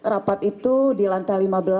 rapat itu di lantai lima belas